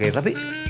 oh gitu mi